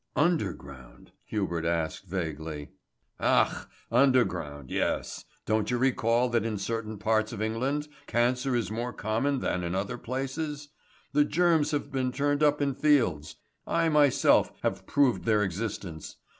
"Underground," Hubert asked vaguely. "Ach, underground, yes. Don't you recollect that in certain parts of England cancer is more common than in other places? The germs have been turned up in fields. I, myself, have proved their existence.